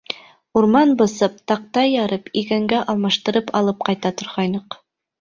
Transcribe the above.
Урман бысып, таҡта ярып, игенгә алмаштырып алып ҡайта торғайныҡ.